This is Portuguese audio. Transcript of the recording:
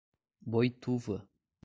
Boituva